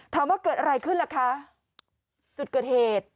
ถามว่าเกิดอะไรขึ้นล่ะคะจุดเกิดเหตุ